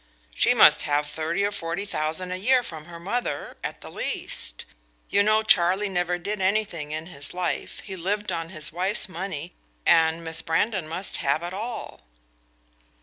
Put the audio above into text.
"She must have thirty or forty thousand a year from her mother, at the least. You know Charlie never did anything in his life; he lived on his wife's money, and Miss Brandon must have it all."